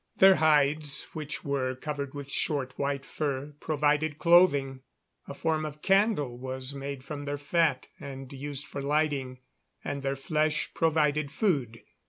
Their hides, which were covered with short, white fur, provided clothing; a form of candle was made from their fat, and used for lighting; and their flesh provided food.